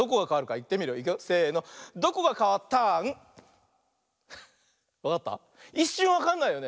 いっしゅんわかんないよね。